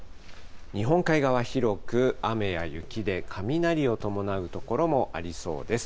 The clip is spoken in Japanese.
日本海側、広く雨や雪で、雷を伴う所もありそうです。